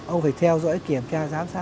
ông phải theo dõi kiểm tra giám sát